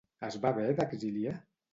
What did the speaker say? Es va haver d'exiliar?